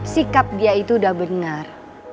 sikap dia itu udah benar